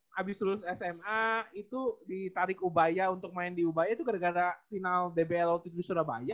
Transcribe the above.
tentang abis lulus sma itu ditarik ubaya untuk main di ubaya tuh gara gara final dbl tujuh surabaya